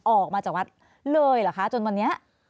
ออกมาจากวัดเลยเหรอคะจนวันนี้